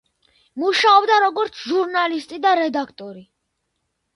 მუშაობდა როგორც ჟურნალისტი და რედაქტორი.